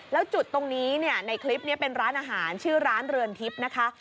แล้วจุดตรงนี้เนี่ยในคลิปนี้เป็นร้านอาหารชื่อร้านเรือนทิพย์นะคะ